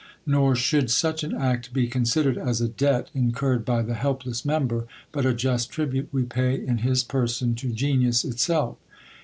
Nor should such an act be considered as a debt incurred by the helpless member, but a just tribute we pay in his person to Genius itself.